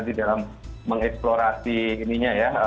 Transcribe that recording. di dalam mengeksplorasi ininya ya